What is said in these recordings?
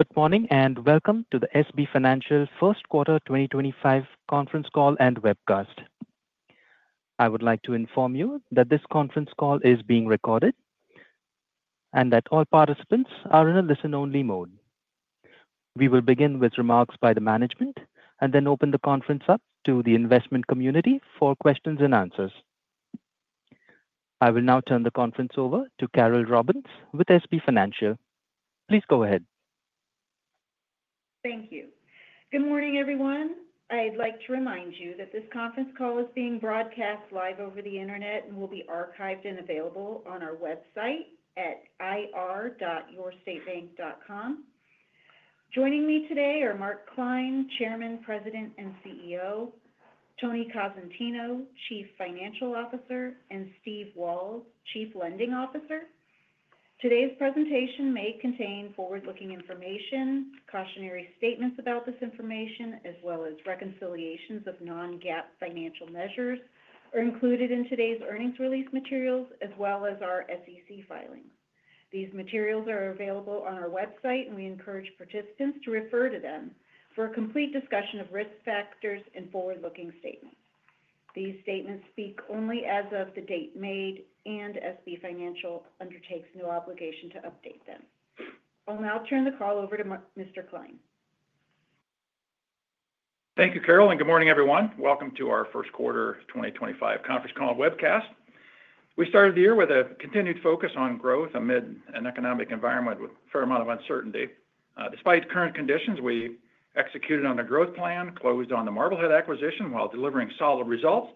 Good morning and welcome to the SB Financial first quarter 2025 conference call and webcast. I would like to inform you that this conference call is being recorded and that all participants are in a listen-only mode. We will begin with remarks by the management and then open the conference up to the investment community for questions and answers. I will now turn the conference over to Carol Robbins with SB Financial. Please go ahead. Thank you. Good morning, everyone. I'd like to remind you that this conference call is being broadcast live over the internet and will be archived and available on our website at ir.yourstatebank.com. Joining me today are Mark Klein, Chairman, President, and CEO; Tony Cosentino, Chief Financial Officer; and Steve Walz, Chief Lending Officer. Today's presentation may contain forward-looking information, cautionary statements about this information, as well as reconciliations of non-GAAP financial measures included in today's earnings release materials, as well as our SEC filings. These materials are available on our website, and we encourage participants to refer to them for a complete discussion of risk factors and forward-looking statements. These statements speak only as of the date made, and SB Financial undertakes no obligation to update them. I'll now turn the call over to Mr. Klein. Thank you, Carol, and good morning, everyone. Welcome to our First Quarter 2025 Conference Call and Webcast. We started the year with a continued focus on growth amid an economic environment with a fair amount of uncertainty. Despite current conditions, we executed on the growth plan, closed on the Marblehead acquisition while delivering solid results,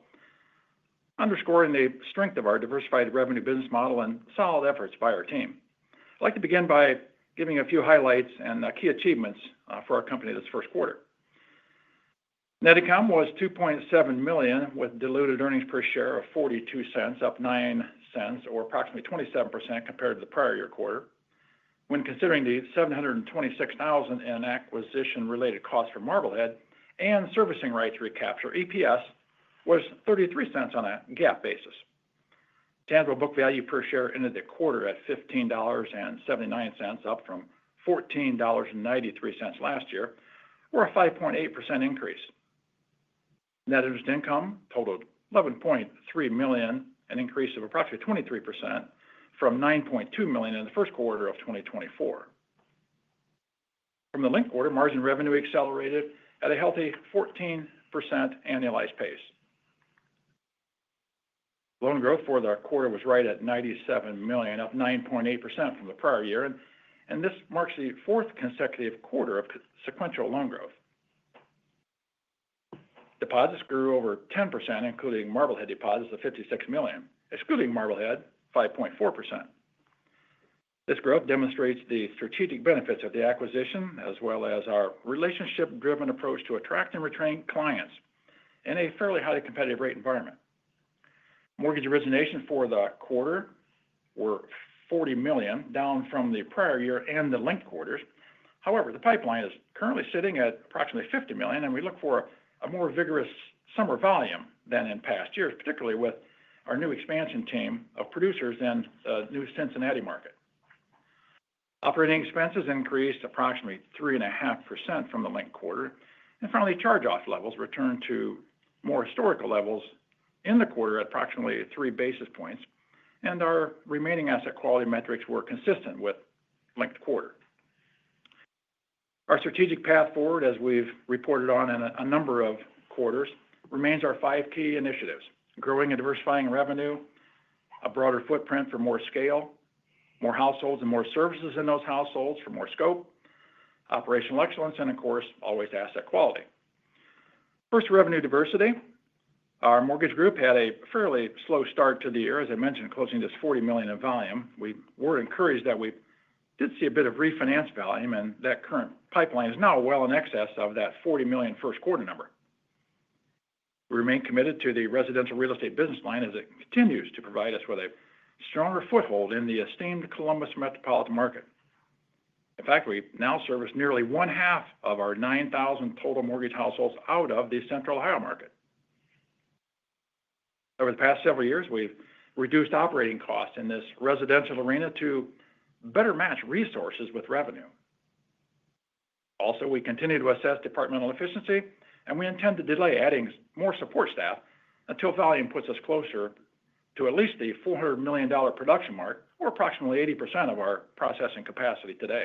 underscoring the strength of our diversified revenue business model and solid efforts by our team. I'd like to begin by giving a few highlights and key achievements for our company this first quarter. Net income was $2.7 million, with diluted earnings per share of $0.42, up $0.09, or approximately 27% compared to the prior year quarter. When considering the $726,000 in acquisition-related costs for Marblehead and servicing rights recapture, EPS was $0.33 on a GAAP basis. Tangible book value per share ended the quarter at $15.79, up from $14.93 last year, or a 5.8% increase. Net interest income totaled $11.3 million, an increase of approximately 23% from $9.2 million in the first quarter of 2024. From the link quarter, margin revenue accelerated at a healthy 14% annualized pace. Loan growth for the quarter was right at $97 million, up 9.8% from the prior year, and this marks the fourth consecutive quarter of sequential loan growth. Deposits grew over 10%, including Marblehead deposits of $56 million, excluding Marblehead's 5.4%. This growth demonstrates the strategic benefits of the acquisition, as well as our relationship-driven approach to attract and retain clients in a fairly highly competitive rate environment. Mortgage originations for the quarter were $40 million, down from the prior year and the link quarters. However, the pipeline is currently sitting at approximately $50 million, and we look for a more vigorous summer volume than in past years, particularly with our new expansion team of producers and the new Cincinnati market. Operating expenses increased approximately 3.5% from the link quarter, and finally, charge-off levels returned to more historical levels in the quarter at approximately three basis points, and our remaining asset quality metrics were consistent with link quarter. Our strategic path forward, as we've reported on in a number of quarters, remains our five key initiatives: growing and diversifying revenue, a broader footprint for more scale, more households and more services in those households for more scope, operational excellence, and, of course, always asset quality. First, revenue diversity. Our Mortgage Group had a fairly slow start to the year. As I mentioned, closing just $40 million in volume. We were encouraged that we did see a bit of refinance volume, and that current pipeline is now well in excess of that $40 million first quarter number. We remain committed to the residential real estate business line as it continues to provide us with a stronger foothold in the esteemed Columbus metropolitan market. In fact, we now service nearly one-half of our 9,000 total mortgage households out of the Central Ohio market. Over the past several years, we've reduced operating costs in this residential arena to better match resources with revenue. Also, we continue to assess departmental efficiency, and we intend to delay adding more support staff until volume puts us closer to at least the $400 million production mark, or approximately 80% of our processing capacity today.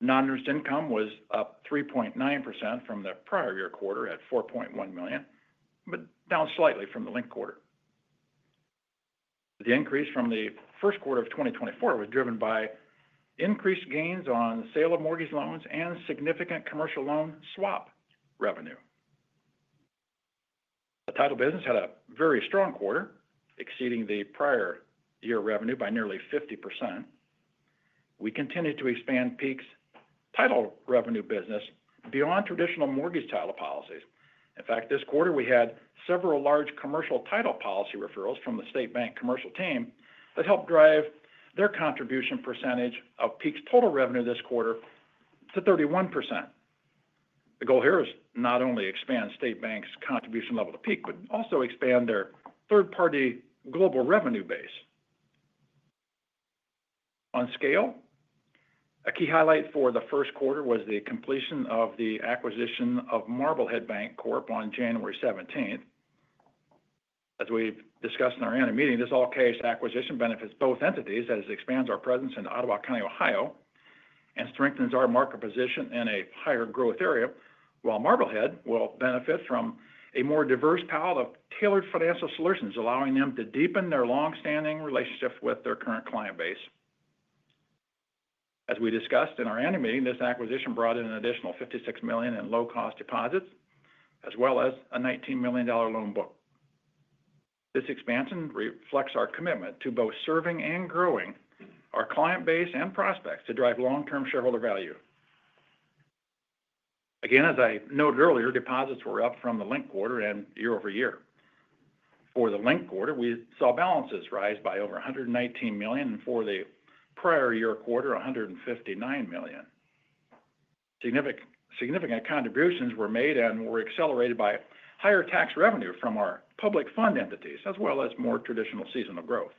Non-interest income was up 3.9% from the prior year quarter at $4.1 million, but down slightly from the link quarter. The increase from the first quarter of 2024 was driven by increased gains on sale of mortgage loans and significant commercial loan swap revenue. The title business had a very strong quarter, exceeding the prior year revenue by nearly 50%. We continued to expand Peak's title revenue business beyond traditional mortgage title policies. In fact, this quarter, we had several large commercial title policy referrals from the State Bank commercial team that helped drive their contribution percentage of Peak's total revenue this quarter to 31%. The goal here is not only to expand State Bank's contribution level to Peak, but also expand their third-party global revenue base. On scale, a key highlight for the first quarter was the completion of the acquisition of Marblehead Bancorp on January 17th. As we've discussed in our annual meeting, this acquisition benefits both entities as it expands our presence in Ottawa County, Ohio, and strengthens our market position in a higher growth area, while Marblehead will benefit from a more diverse palette of tailored financial solutions, allowing them to deepen their longstanding relationship with their current client base. As we discussed in our annual meeting, this acquisition brought in an additional $56 million in low-cost deposits, as well as a $19 million loan book. This expansion reflects our commitment to both serving and growing our client base and prospects to drive long-term shareholder value. Again, as I noted earlier, deposits were up from the linked quarter and year-over-year. For the linked quarter, we saw balances rise by over $119 million, and for the prior year quarter, $159 million. Significant contributions were made and were accelerated by higher tax revenue from our public fund entities, as well as more traditional seasonal growth.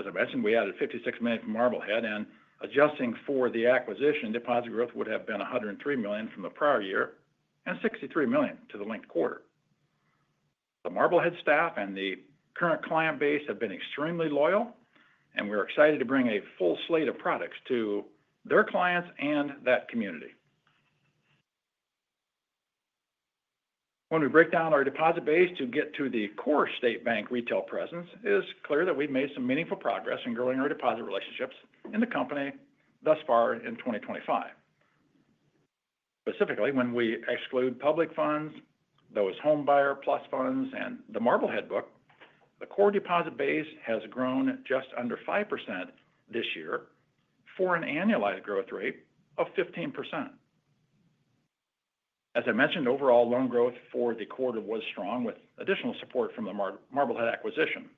As I mentioned, we added $56 million from Marblehead, and adjusting for the acquisition, deposit growth would have been $103 million from the prior year and $63 million to the link quarter. The Marblehead staff and the current client base have been extremely loyal, and we are excited to bring a full slate of products to their clients and that community. When we break down our deposit base to get to the core State Bank retail presence, it is clear that we've made some meaningful progress in growing our deposit relationships in the company thus far in 2025. Specifically, when we exclude public funds, those home buyer plus funds, and the Marblehead book, the core deposit base has grown just under 5% this year for an annualized growth rate of 15%. As I mentioned, overall loan growth for the quarter was strong, with additional support from the Marblehead acquisition.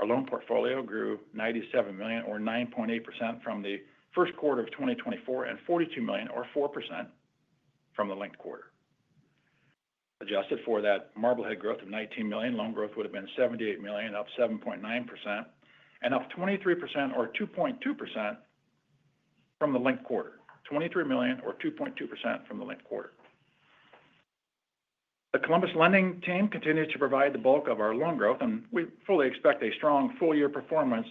Our loan portfolio grew $97 million, or 9.8%, from the first quarter of 2024, and $42 million, or 4%, from the link quarter. Adjusted for that Marblehead growth of $19 million, loan growth would have been $78 million, up 7.9%, and $23 million, or 2.2%, from the link quarter. The Columbus lending team continues to provide the bulk of our loan growth, and we fully expect a strong full-year performance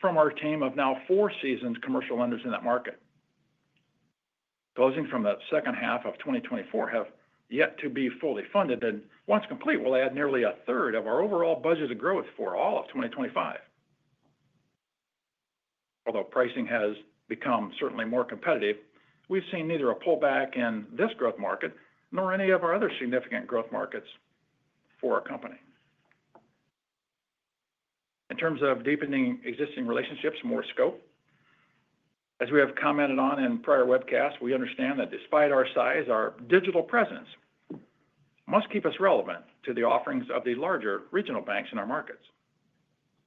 from our team of now four seasoned commercial lenders in that market. Closing from the second half of 2024 have yet to be fully funded, and once complete, we'll add nearly a third of our overall budgeted growth for all of 2025. Although pricing has become certainly more competitive, we've seen neither a pullback in this growth market nor any of our other significant growth markets for our company. In terms of deepening existing relationships and more scope, as we have commented on in prior webcasts, we understand that despite our size, our digital presence must keep us relevant to the offerings of the larger regional banks in our markets.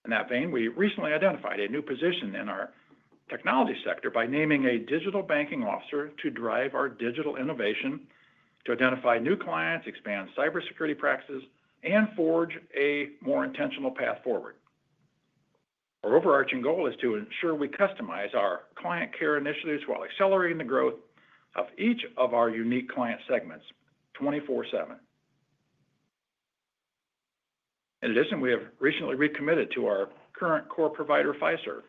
In that vein, we recently identified a new position in our technology sector by naming a digital banking officer to drive our digital innovation, to identify new clients, expand cybersecurity practices, and forge a more intentional path forward. Our overarching goal is to ensure we customize our client care initiatives while accelerating the growth of each of our unique client segments 24/7. In addition, we have recently recommitted to our current core provider, Fiserv.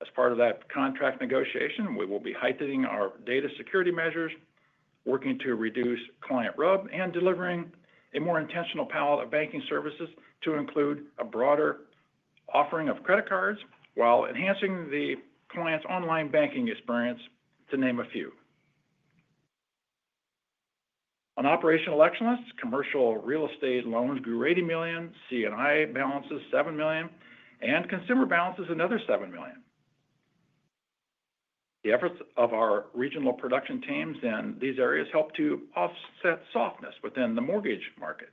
As part of that contract negotiation, we will be heightening our data security measures, working to reduce client rub, and delivering a more intentional palette of banking services to include a broader offering of credit cards while enhancing the client's online banking experience, to name a few. On operational excellence, commercial real estate loans grew $80 million, C&I balances $7 million, and consumer balances another $7 million. The efforts of our regional production teams in these areas help to offset softness within the mortgage market.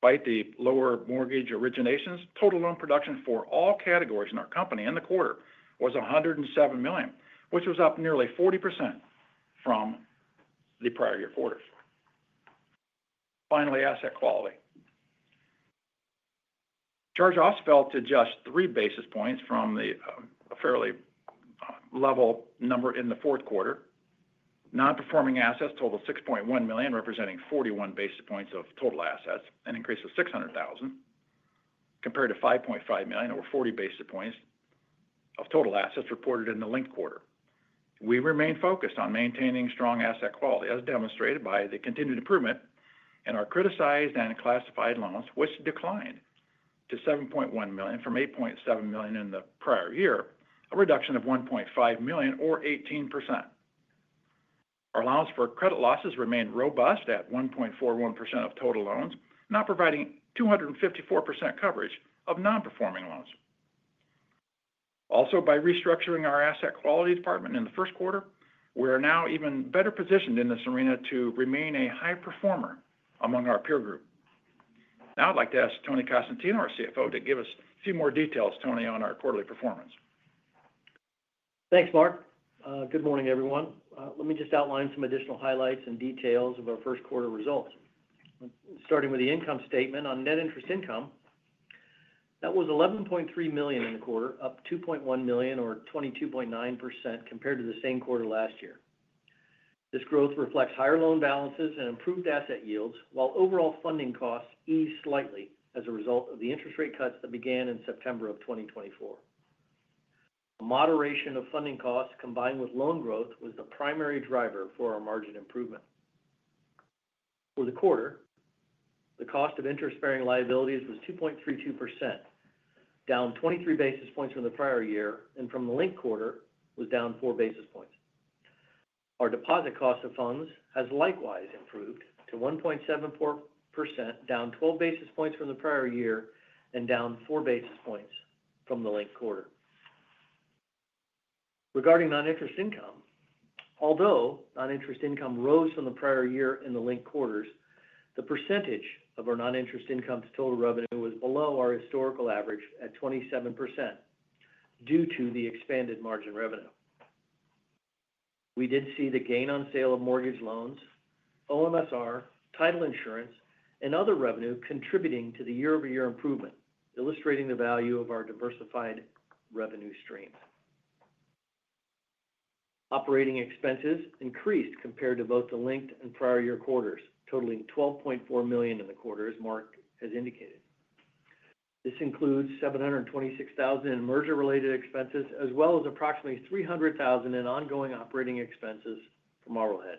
Despite the lower mortgage originations, total loan production for all categories in our company in the quarter was $107 million, which was up nearly 40% from the prior year quarters. Finally, asset quality. Charge-offs fell to just three basis points from a fairly level number in the fourth quarter. Non-performing assets totaled $6.1 million, representing 41 basis points of total assets, an increase of $600,000, compared to $5.5 million, or 40 basis points of total assets reported in the link quarter. We remain focused on maintaining strong asset quality, as demonstrated by the continued improvement in our criticized and classified loans, which declined to $7.1 million from $8.7 million in the prior year, a reduction of $1.5 million, or 18%. Our allowance for credit losses remained robust at 1.41% of total loans, now providing 254% coverage of non-performing loans. Also, by restructuring our asset quality department in the first quarter, we are now even better positioned in this arena to remain a high performer among our peer group. Now I'd like to ask Tony Cosentino, our CFO, to give us a few more details, Tony, on our quarterly performance. Thanks, Mark. Good morning, everyone. Let me just outline some additional highlights and details of our first quarter results. Starting with the income statement on net interest income, that was $11.3 million in the quarter, up $2.1 million, or 22.9%, compared to the same quarter last year. This growth reflects higher loan balances and improved asset yields, while overall funding costs eased slightly as a result of the interest rate cuts that began in September of 2024. A moderation of funding costs combined with loan growth was the primary driver for our margin improvement. For the quarter, the cost of interest-bearing liabilities was 2.32%, down 23 basis points from the prior year, and from the link quarter, was down four basis points. Our deposit cost of funds has likewise improved to 1.74%, down 12 basis points from the prior year, and down four basis points from the link quarter. Regarding non-interest income, although non-interest income rose from the prior year and the linked quarters, the percentage of our non-interest income to total revenue was below our historical average at 27% due to the expanded margin revenue. We did see the gain on sale of mortgage loans, OMSR, title insurance, and other revenue contributing to the year-over-year improvement, illustrating the value of our diversified revenue streams. Operating expenses increased compared to both the linked and prior year quarters, totaling $12.4 million in the quarter, as Mark has indicated. This includes $726,000 in merger-related expenses, as well as approximately $300,000 in ongoing operating expenses for Marblehead.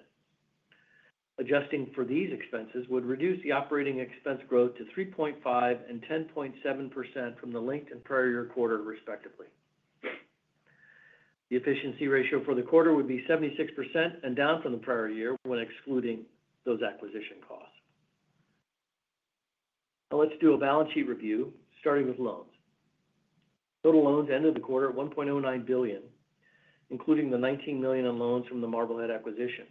Adjusting for these expenses would reduce the operating expense growth to 3.5% and 10.7% from the linked and prior year quarter, respectively. The efficiency ratio for the quarter would be 76% and down from the prior year when excluding those acquisition costs. Now let's do a balance sheet review, starting with loans. Total loans ended the quarter at $1.09 billion, including the $19 million in loans from the Marblehead acquisition.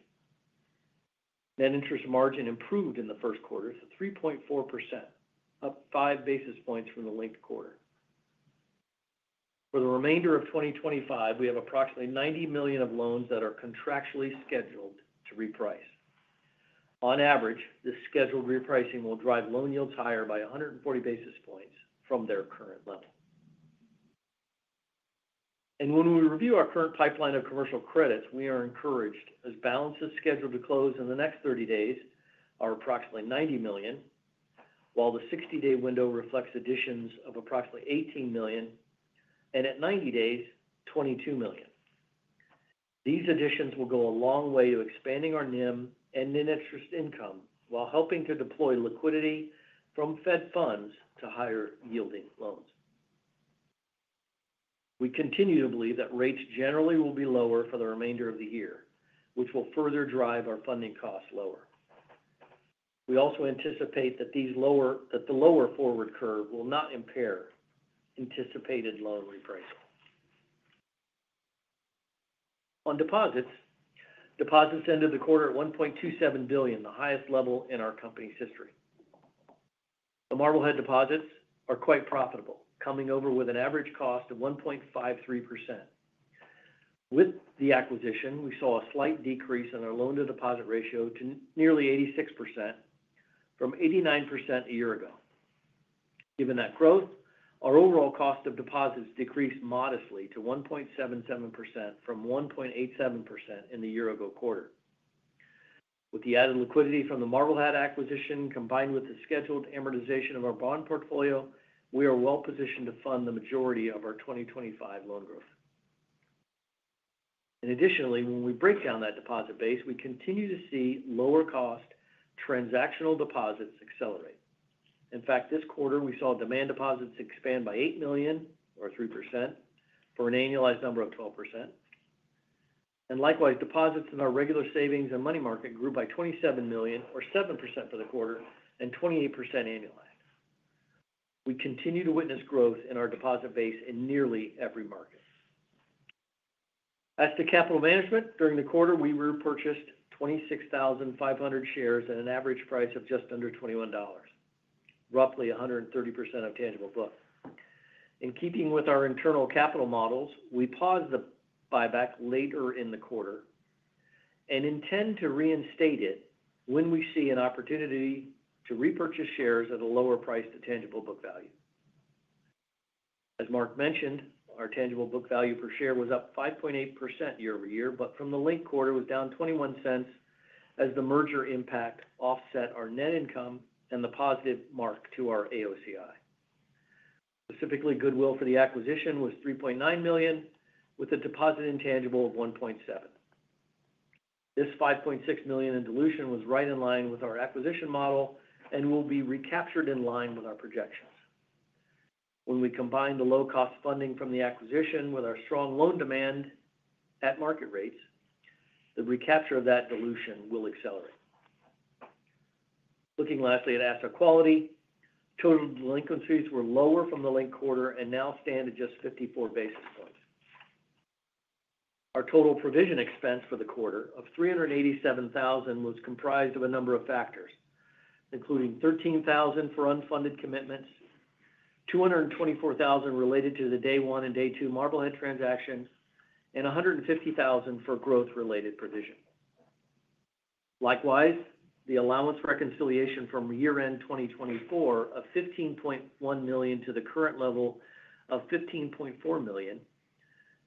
Net interest margin improved in the first quarter to 3.4%, up five basis points from the link quarter. For the remainder of 2025, we have approximately $90 million of loans that are contractually scheduled to reprice. On average, this scheduled repricing will drive loan yields higher by 140 basis points from their current level. When we review our current pipeline of commercial credits, we are encouraged, as balances scheduled to close in the next 30 days are approximately $90 million, while the 60-day window reflects additions of approximately $18 million, and at 90 days, $22 million. These additions will go a long way to expanding our NIM and net interest income while helping to deploy liquidity from Fed funds to higher-yielding loans. We continue to believe that rates generally will be lower for the remainder of the year, which will further drive our funding costs lower. We also anticipate that the lower forward curve will not impair anticipated loan repricing. On deposits, deposits ended the quarter at $1.27 billion, the highest level in our company's history. The Marblehead deposits are quite profitable, coming over with an average cost of 1.53%. With the acquisition, we saw a slight decrease in our loan-to-deposit ratio to nearly 86%, from 89% a year ago. Given that growth, our overall cost of deposits decreased modestly to 1.77% from 1.87% in the year-ago quarter. With the added liquidity from the Marblehead acquisition, combined with the scheduled amortization of our bond portfolio, we are well-positioned to fund the majority of our 2025 loan growth. Additionally, when we break down that deposit base, we continue to see lower-cost transactional deposits accelerate. In fact, this quarter, we saw demand deposits expand by $8 million, or 3%, for an annualized number of 12%. Likewise, deposits in our regular savings and money market grew by $27 million, or 7% for the quarter, and 28% annualized. We continue to witness growth in our deposit base in nearly every market. As to capital management, during the quarter, we repurchased 26,500 shares at an average price of just under $21, roughly 130% of tangible book. In keeping with our internal capital models, we paused the buyback later in the quarter and intend to reinstate it when we see an opportunity to repurchase shares at a lower price to tangible book value. As Mark mentioned, our tangible book value per share was up 5.8% year-over-year, but from the linked quarter, it was down $0.21 as the merger impact offset our net income and the positive mark to our AOCI. Specifically, goodwill for the acquisition was $3.9 million, with a deposit intangible of $1.7 million. This $5.6 million in dilution was right in line with our acquisition model and will be recaptured in line with our projections. When we combine the low-cost funding from the acquisition with our strong loan demand at market rates, the recapture of that dilution will accelerate. Looking lastly at asset quality, total delinquencies were lower from the link quarter and now stand at just 54 basis points. Our total provision expense for the quarter of $387,000 was comprised of a number of factors, including $13,000 for unfunded commitments, $224,000 related to the day one and day two Marblehead transactions, and $150,000 for growth-related provision. Likewise, the allowance reconciliation from year-end 2024 of $15.1 million to the current level of $15.4 million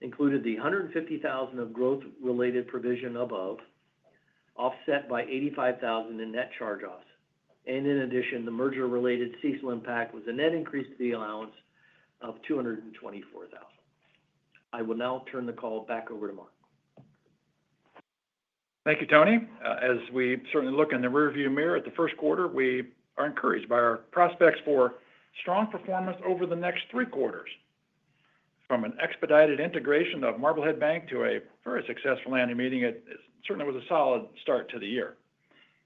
included the $150,000 of growth-related provision above, offset by $85,000 in net charge-offs. In addition, the merger-related cease-and-impact was a net increase to the allowance of $224,000. I will now turn the call back over to Mark. Thank you, Tony. As we certainly look in the rearview mirror at the first quarter, we are encouraged by our prospects for strong performance over the next three quarters. From an expedited integration of Marblehead Bank to a very successful annual meeting, it certainly was a solid start to the year.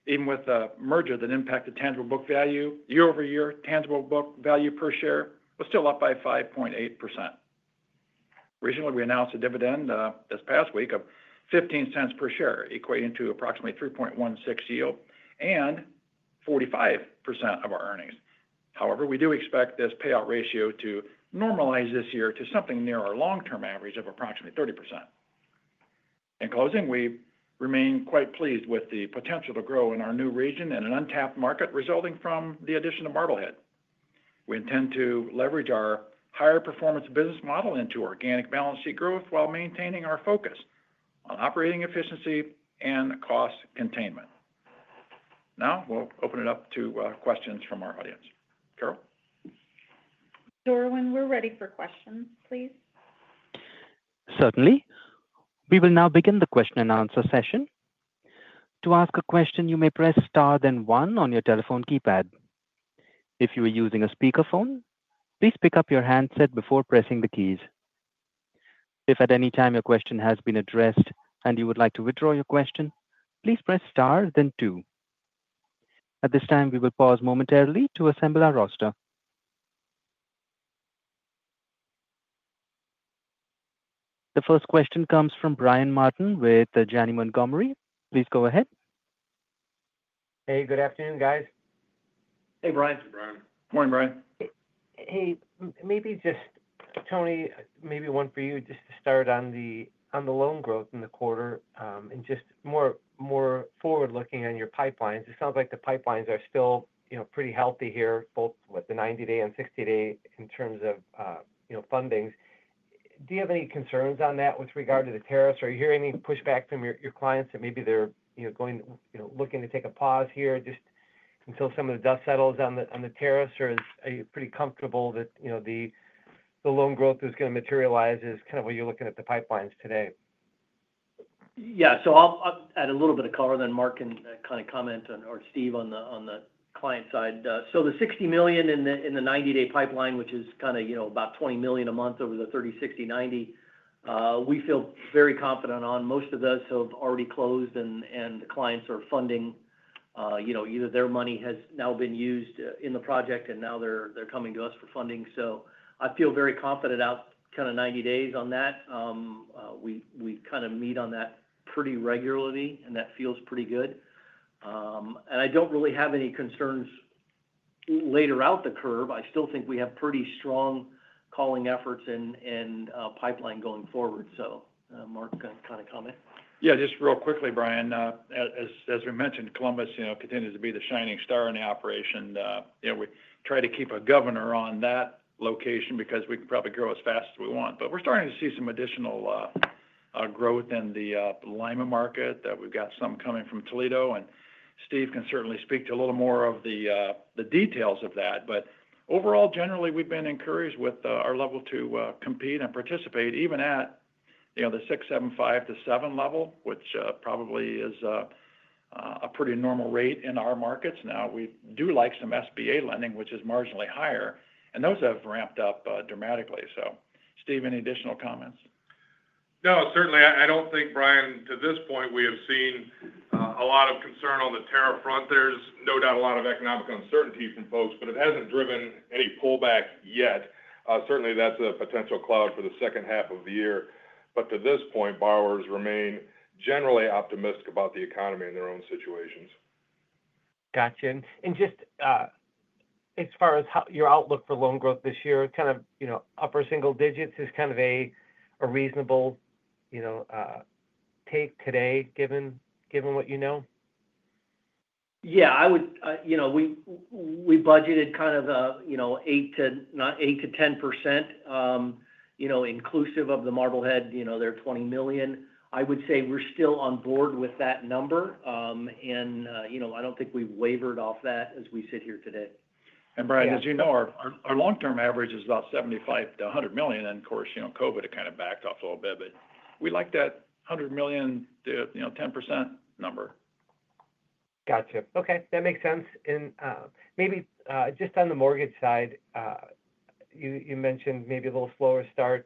Even with the merger that impacted tangible book value, year-over-year tangible book value per share was still up by 5.8%. Recently, we announced a dividend this past week of $0.15 per share, equating to approximately 3.16% yield and 45% of our earnings. However, we do expect this payout ratio to normalize this year to something near our long-term average of approximately 30%. In closing, we remain quite pleased with the potential to grow in our new region and an untapped market resulting from the addition of Marblehead. We intend to leverage our higher-performance business model into organic balance sheet growth while maintaining our focus on operating efficiency and cost containment. Now we'll open it up to questions from our audience. Carol? Dorwin, we're ready for questions, please. Certainly. We will now begin the question-and-answer session. To ask a question, you may press star then one on your telephone keypad. If you are using a speakerphone, please pick up your handset before pressing the keys. If at any time your question has been addressed and you would like to withdraw your question, please press star then two. At this time, we will pause momentarily to assemble our roster. The first question comes from Brian Martin with Janney Montgomery. Please go ahead. Hey, good afternoon, guys. Hey, Brian. Good morning, Brian. Hey, maybe just, Tony, maybe one for you, just to start on the loan growth in the quarter and just more forward-looking on your pipelines. It sounds like the pipelines are still pretty healthy here, both with the 90-day and 60-day in terms of fundings. Do you have any concerns on that with regard to the tariffs? Are you hearing any pushback from your clients that maybe they're looking to take a pause here just until some of the dust settles on the tariffs? Or are you pretty comfortable that the loan growth is going to materialize as kind of what you're looking at the pipelines today? Yeah. I'll add a little bit of color then, Mark, and kind of comment on, or Steve on the client side. The $60 million in the 90-day pipeline, which is kind of about $20 million a month over the 30, 60, 90, we feel very confident on. Most of those have already closed, and the clients are funding. Either their money has now been used in the project, and now they're coming to us for funding. I feel very confident out kind of 90 days on that. We kind of meet on that pretty regularly, and that feels pretty good. I don't really have any concerns later out the curve. I still think we have pretty strong calling efforts and pipeline going forward. Mark, kind of comment? Yeah, just real quickly, Brian. As we mentioned, Columbus continues to be the shining star in the operation. We try to keep a governor on that location because we can probably grow as fast as we want. We are starting to see some additional growth in the Lima market. We have got some coming from Toledo. Steve can certainly speak to a little more of the details of that. Overall, generally, we have been encouraged with our level to compete and participate, even at the 6, 7, 5-7 level, which probably is a pretty normal rate in our markets. We do like some SBA lending, which is marginally higher, and those have ramped up dramatically. Steve, any additional comments? No, certainly. I don't think, Brian, to this point, we have seen a lot of concern on the tariff front. There's no doubt a lot of economic uncertainty from folks, but it hasn't driven any pullback yet. Certainly, that's a potential cloud for the second half of the year. To this point, borrowers remain generally optimistic about the economy and their own situations. Gotcha. Just as far as your outlook for loan growth this year, kind of upper single digits is kind of a reasonable take today, given what you know? Yeah. We budgeted kind of 8%-10% inclusive of the Marblehead, their $20 million. I would say we're still on board with that number, and I don't think we've wavered off that as we sit here today. Brian, as you know, our long-term average is about $75 million-$100 million. Of course, COVID kind of backed off a little bit, but we like that $100 million, 10% number. Gotcha. Okay. That makes sense. Maybe just on the mortgage side, you mentioned maybe a little slower start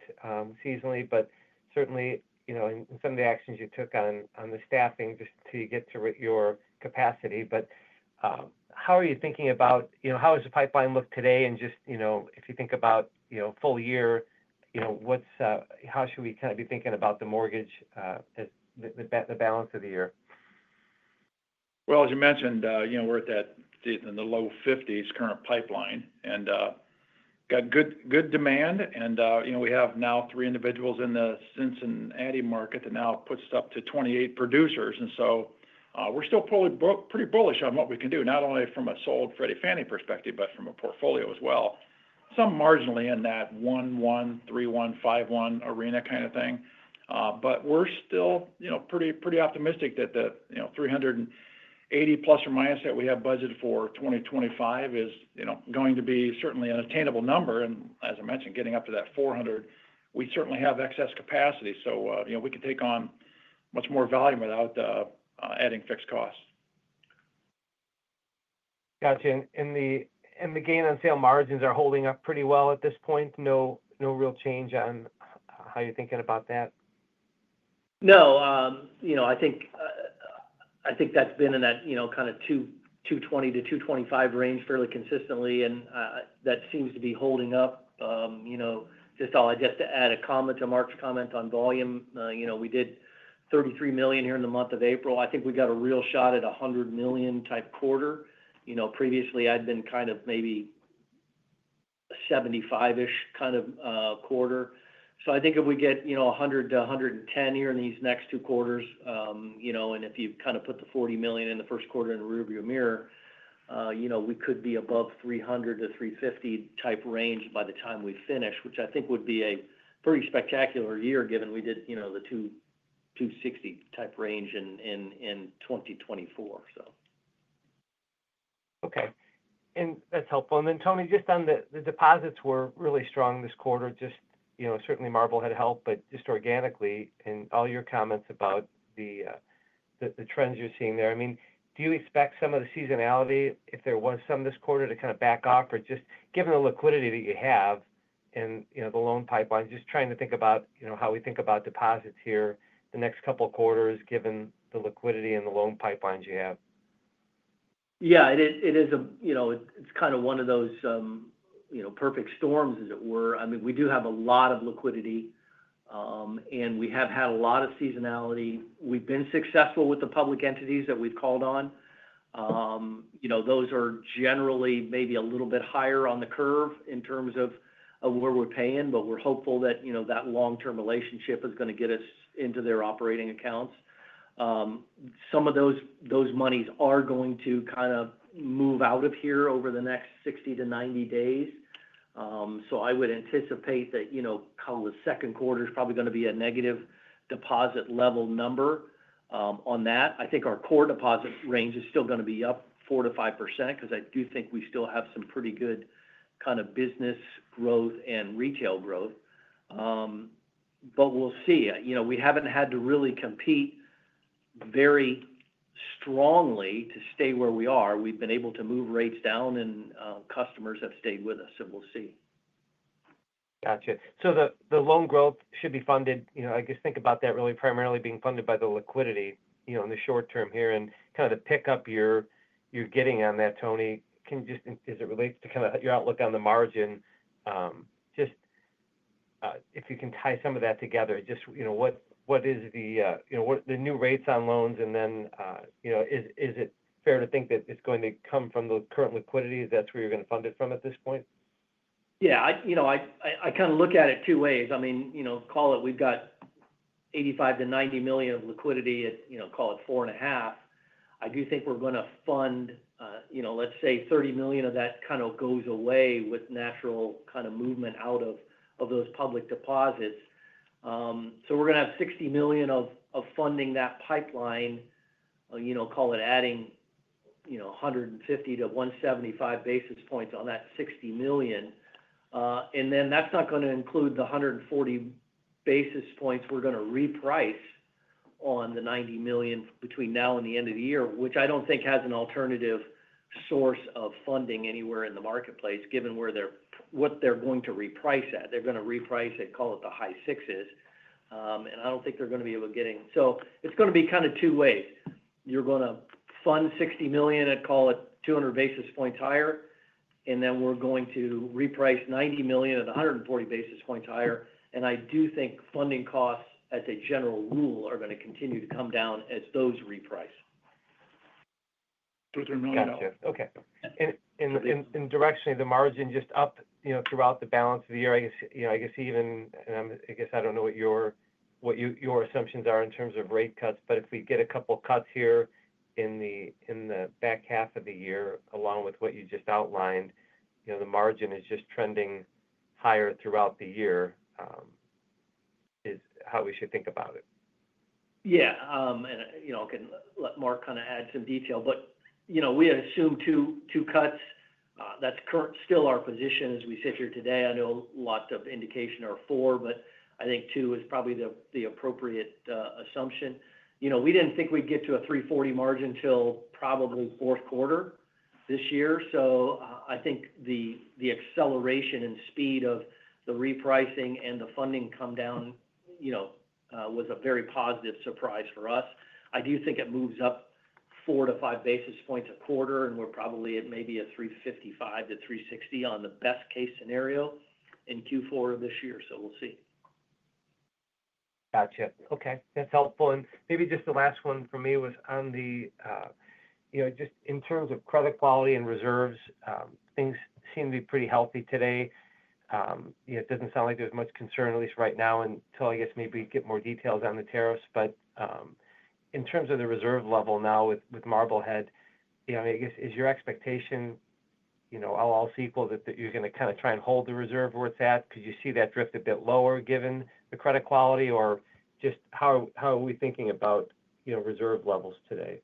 seasonally, but certainly in some of the actions you took on the staffing just to get to your capacity. How are you thinking about how does the pipeline look today? If you think about full year, how should we kind of be thinking about the mortgage as the balance of the year? As you mentioned, we're at that, Steve, the low 50s current pipeline. Got good demand. We have now three individuals in the Cincinnati market that now puts it up to 28 producers. We're still pretty bullish on what we can do, not only from a sold Freddie Fannie perspective, but from a portfolio as well. Some marginally in that 1-1, 3-1, 5-1 arena kind of thing. We're still pretty optimistic that the 380± that we have budgeted for 2025 is going to be certainly an attainable number. As I mentioned, getting up to that 400, we certainly have excess capacity. We can take on much more volume without adding fixed costs. Gotcha. The gain on sale margins are holding up pretty well at this point? No real change on how you're thinking about that? No. I think that's been in that kind of 220-225 range fairly consistently. That seems to be holding up. I'll just add a comment to Mark's comment on volume. We did $33 million here in the month of April. I think we got a real shot at a $100 million type quarter. Previously, I'd been kind of maybe a $75 million-ish kind of quarter. I think if we get $100 million-$110 million here in these next two quarters, and if you kind of put the $40 million in the first quarter in the rearview mirror, we could be above $300 million-$350 million type range by the time we finish, which I think would be a pretty spectacular year given we did the $260 million type range in 2024. Okay. That's helpful. Tony, just on the deposits were really strong this quarter. Certainly, Marblehead helped, but just organically. All your comments about the trends you're seeing there. I mean, do you expect some of the seasonality, if there was some this quarter, to kind of back off? Just given the liquidity that you have and the loan pipeline, just trying to think about how we think about deposits here the next couple of quarters given the liquidity and the loan pipelines you have? Yeah. It is a it's kind of one of those perfect storms, as it were. I mean, we do have a lot of liquidity, and we have had a lot of seasonality. We've been successful with the public entities that we've called on. Those are generally maybe a little bit higher on the curve in terms of where we're paying, but we're hopeful that that long-term relationship is going to get us into their operating accounts. Some of those monies are going to kind of move out of here over the next 60-90 days. I would anticipate that kind of the second quarter is probably going to be a negative deposit level number on that. I think our core deposit range is still going to be up 4%-5% because I do think we still have some pretty good kind of business growth and retail growth. We will see. We have not had to really compete very strongly to stay where we are. We have been able to move rates down, and customers have stayed with us, so we will see. Gotcha. The loan growth should be funded. I just think about that really primarily being funded by the liquidity in the short term here. Kind of the pickup you're getting on that, Tony, can just as it relates to kind of your outlook on the margin, just if you can tie some of that together, just what is the new rates on loans? Is it fair to think that it's going to come from the current liquidity? Is that's where you're going to fund it from at this point? Yeah. I kind of look at it two ways. I mean, call it we've got $85 million-$90 million of liquidity at, call it, $4.5 million. I do think we're going to fund, let's say, $30 million of that kind of goes away with natural kind of movement out of those public deposits. We're going to have $60 million of funding that pipeline. Call it adding 150-175 basis points on that $60 million. That is not going to include the 140 basis points we're going to reprice on the $90 million between now and the end of the year, which I do not think has an alternative source of funding anywhere in the marketplace, given what they're going to reprice at. They're going to reprice at, call it, the high sixes. I do not think they're going to be able to get in. It's going to be kind of two ways. You're going to fund $60 million at, call it, 200 basis points higher, and then we're going to reprice $90 million at 140 basis points higher. I do think funding costs, as a general rule, are going to continue to come down as those reprice. $23 million. Gotcha. Okay. Directionally, the margin just up throughout the balance of the year. I guess even, and I guess I don't know what your assumptions are in terms of rate cuts, but if we get a couple of cuts here in the back half of the year, along with what you just outlined, the margin is just trending higher throughout the year is how we should think about it. Yeah. I can let Mark kind of add some detail. We assume two cuts. That is still our position as we sit here today. I know a lot of indication are four, but I think two is probably the appropriate assumption. We did not think we would get to a $340 margin until probably fourth quarter this year. I think the acceleration and speed of the repricing and the funding come down was a very positive surprise for us. I do think it moves up four to five basis points a quarter, and we are probably at maybe a $355-$360 on the best-case scenario in Q4 of this year. We will see. Gotcha. Okay. That's helpful. Maybe just the last one for me was on the just in terms of credit quality and reserves, things seem to be pretty healthy today. It does not sound like there's much concern, at least right now, until I guess maybe we get more details on the tariffs. In terms of the reserve level now with Marblehead, I guess, is your expectation all else equal that you're going to kind of try and hold the reserve where it's at because you see that drift a bit lower given the credit quality? Or just how are we thinking about reserve levels today?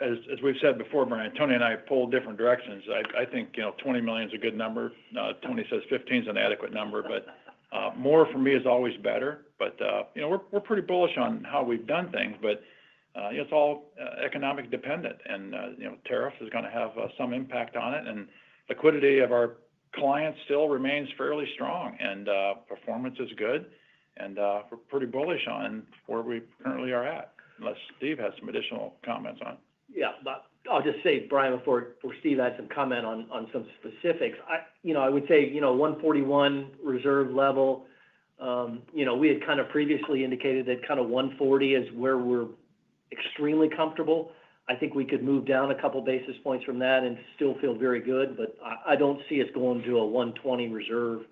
As we've said before, Brian, Tony and I have pulled different directions. I think $20 million is a good number. Tony says $15 million is an adequate number. More for me is always better. We are pretty bullish on how we've done things. It is all economic dependent, and tariffs are going to have some impact on it. Liquidity of our clients still remains fairly strong, and performance is good. We are pretty bullish on where we currently are at, unless Steve has some additional comments on it. Yeah. I'll just say, Brian, before Steve adds some comment on some specifics, I would say $141 reserve level, we had kind of previously indicated that kind of $140 is where we're extremely comfortable. I think we could move down a couple of basis points from that and still feel very good. I don't see us going to a $120 reserve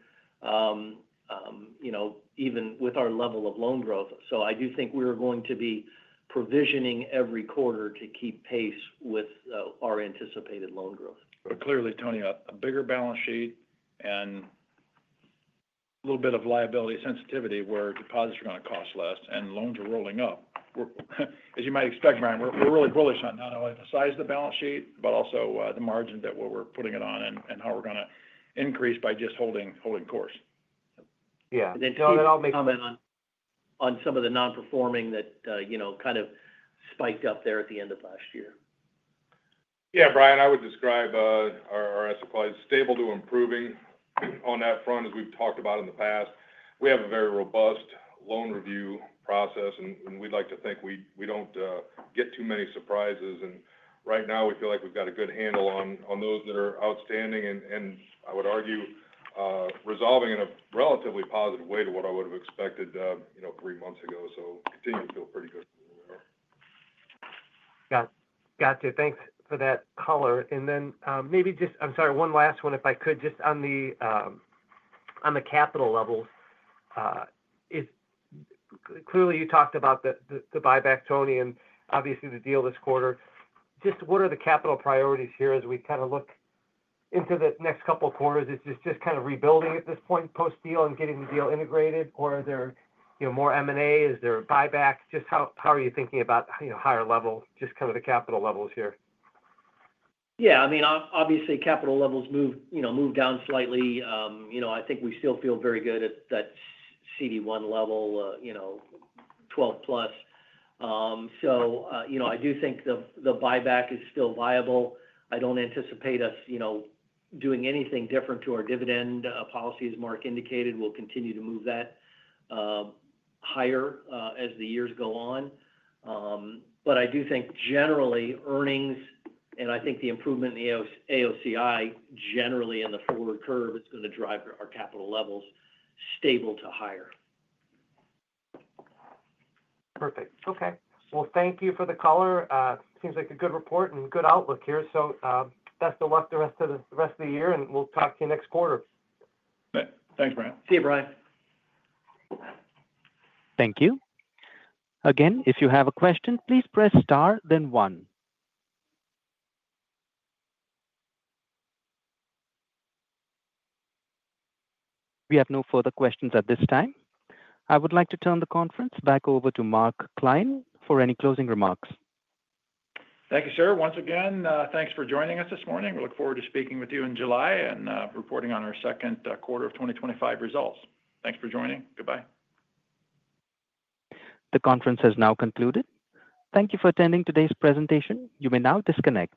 even with our level of loan growth. I do think we're going to be provisioning every quarter to keep pace with our anticipated loan growth. Clearly, Tony, a bigger balance sheet and a little bit of liability sensitivity where deposits are going to cost less and loans are rolling up. As you might expect, Brian, we're really bullish on not only the size of the balance sheet, but also the margin that we're putting it on and how we're going to increase by just holding course. Yeah. Then Tony, I'll make a comment on some of the non-performing that kind of spiked up there at the end of last year. Yeah. Brian, I would describe our asset class as stable to improving on that front, as we've talked about in the past. We have a very robust loan review process, and we'd like to think we don't get too many surprises. Right now, we feel like we've got a good handle on those that are outstanding and, I would argue, resolving in a relatively positive way to what I would have expected three months ago. Continue to feel pretty good. Gotcha. Thanks for that color. Maybe just, I'm sorry, one last one, if I could, just on the capital levels. Clearly, you talked about the buyback, Tony, and obviously the deal this quarter. Just what are the capital priorities here as we kind of look into the next couple of quarters? Is this just kind of rebuilding at this point post-deal and getting the deal integrated? Or is there more M&A? Is there a buyback? Just how are you thinking about higher level, just kind of the capital levels here? Yeah. I mean, obviously, capital levels moved down slightly. I think we still feel very good at that CET1 level, 12-plus. I do think the buyback is still viable. I do not anticipate us doing anything different to our dividend policies, Mark indicated. We will continue to move that higher as the years go on. I do think, generally, earnings, and I think the improvement in the AOCI, generally, in the forward curve, is going to drive our capital levels stable to higher. Perfect. Okay. Thank you for the color. Seems like a good report and good outlook here. Best of luck the rest of the year, and we'll talk to you next quarter. Thanks, Brian. See you, Brian. Thank you. Again, if you have a question, please press star, then one. We have no further questions at this time. I would like to turn the conference back over to Mark Klein for any closing remarks. Thank you, sir. Once again, thanks for joining us this morning. We look forward to speaking with you in July and reporting on our second quarter of 2025 results. Thanks for joining. Goodbye. The conference has now concluded. Thank you for attending today's presentation. You may now disconnect.